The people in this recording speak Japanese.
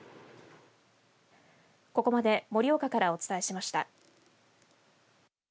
ここまで盛岡からお伝えしました。